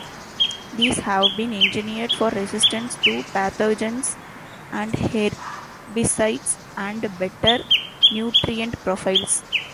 These have been engineered for resistance to pathogens and herbicides and better nutrient profiles.